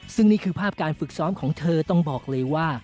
ซึ่งนี่คือภาพการฝึกซ้อมของเธอต้องบอกเลยว่า